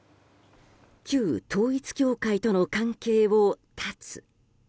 旧統一教会との関係を断つ。